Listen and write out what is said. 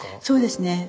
そうですね。